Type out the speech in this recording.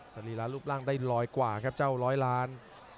สรีระรูปร่างได้ลอยกว่าครับเจ้าร้อยล้าน